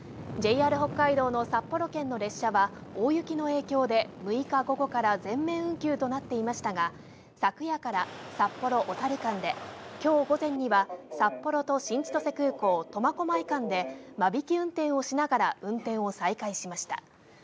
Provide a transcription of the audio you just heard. ＪＲ北海道の札幌圏の列車は大雪の影響で６日午後から全面運休となっていましたが、昨夜から札幌‐小樽間で今日午前には札幌と新千歳空港、苫小牧間で間引き運転をしながら運転を再開しました。